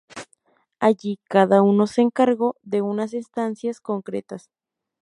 Allí cada uno se encargo de unas estancias concretas.